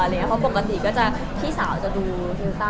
เพราะปกติพี่สาวจะดูฟิลตันเลยค่ะ